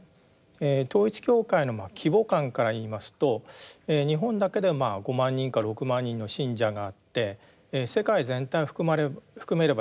統一教会の規模感から言いますと日本だけで５万人か６万人の信者があって世界全体を含めればですね